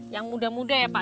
yang muda muda ya pak